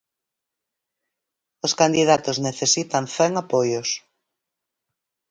Os candidatos necesitan cen apoios.